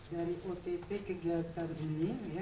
dari ott ke gatardini